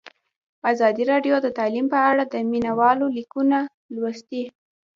ازادي راډیو د تعلیم په اړه د مینه والو لیکونه لوستي.